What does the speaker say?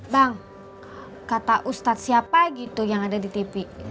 bang kata ustadz siapa gitu yang ada di tv